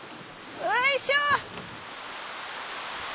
おいしょ！